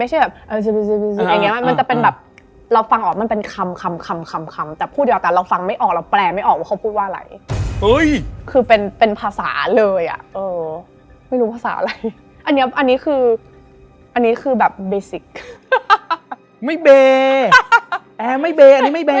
เอ๊ยพูดยาวพูดยาวเลย